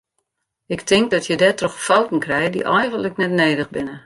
Ik tink dat je dêrtroch fouten krije dy eigenlik net nedich binne.